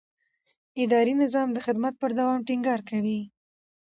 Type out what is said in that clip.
اداري نظام د خدمت پر دوام ټینګار کوي.